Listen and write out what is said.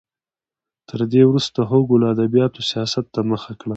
تر دې وروسته هوګو له ادبیاتو سیاست ته مخه کړه.